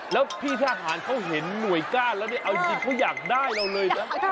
แล้วพี่ทหารเขาเห็นหน่วยก้านแล้วเนี่ยเอาจริงเขาอยากได้เราเลยนะ